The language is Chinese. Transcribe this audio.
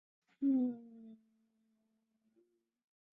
而那些列车绝大部分是急行与特急列车。